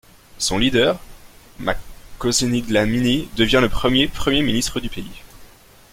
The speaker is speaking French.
Son leader, Makhosini Dlamini, devient le premier premier ministre du pays.